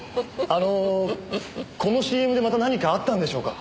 あのこのＣＭでまた何かあったんでしょうか？